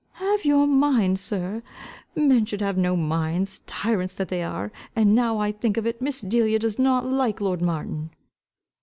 "Have your mind, sir! Men should have no minds. Tyrants that they are! And now I think of it, Miss Delia does not like lord Martin."